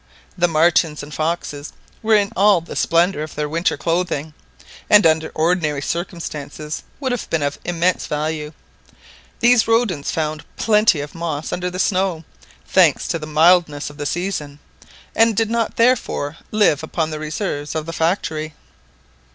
The martens and foxes were in all the splendour of their winter clothing, and under ordinary circumstances would have been of immense value. These rodents found plenty of moss under the snow, thanks to the mildness of the season, and did not therefore live upon the reserves of the factory.